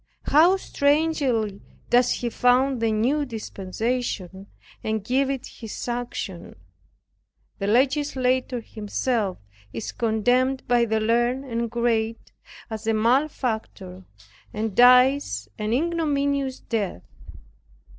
How strangely does He found the new dispensation and give it His sanction! The legislator Himself is condemned by the learned and great, as a malefactor, and dies an ignominious death.